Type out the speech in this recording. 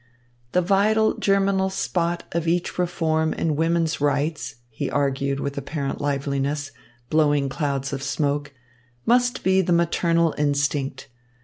"The vital germinal spot of each reform in women's rights," he argued with apparent liveliness, blowing clouds of smoke, "must be the maternal instinct.